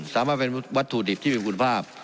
สามารถเป็นวัตถุดิบที่มีคุณภาพ